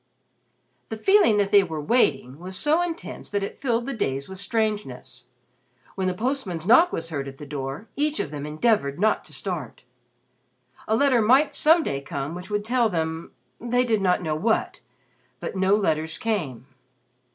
The feeling that they were "waiting" was so intense that it filled the days with strangeness. When the postman's knock was heard at the door, each of them endeavored not to start. A letter might some day come which would tell them they did not know what. But no letters came.